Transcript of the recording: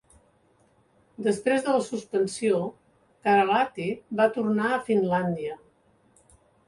Després de la suspensió, Karalahti va tornar a Finlàndia.